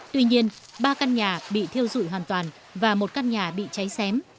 tuy nhiên ba căn nhà bị thiêu dụi hoàn toàn và một căn nhà bị cháy xém